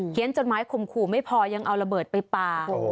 จดหมายข่มขู่ไม่พอยังเอาระเบิดไปปลา